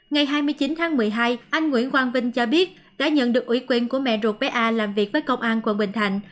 ngày hai mươi chín tháng một mươi hai anh nguyễn quang vinh cho biết đã nhận được ủy quyền của mẹ ruột bé a làm việc với công an quận bình thạnh